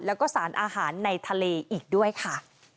แล้วก็สารอาหารในทะเลอีกด้วยค่ะ